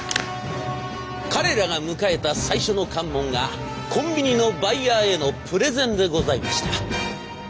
彼らが迎えた最初の関門がコンビニのバイヤーへのプレゼンでございました。